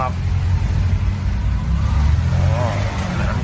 ไม่ได้รู้ครับ